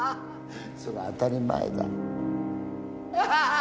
そりゃ当たり前だ。